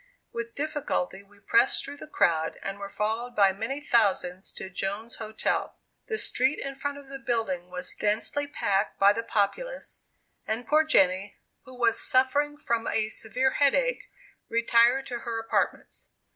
With difficulty we pressed through the crowd, and were followed by many thousands to Jones's Hotel. The street in front of the building was densely packed by the populace, and poor Jenny, who was suffering from a severe headache, retired to her apartments.